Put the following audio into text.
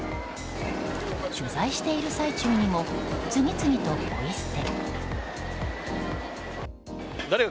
取材している最中にも次々とポイ捨て。